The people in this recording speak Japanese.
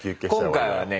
今回はね